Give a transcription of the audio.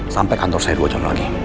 sampai kantor saya dua jam lagi